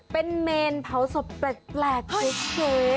เป็นเมนท์เผาศพแปลกเยอะเฉย